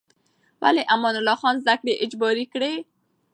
ولې امان الله خان زده کړې اجباري کړې؟